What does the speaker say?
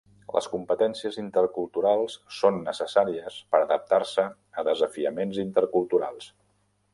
Les Competències Interculturals són necessàries per adaptar-se a desafiaments interculturals.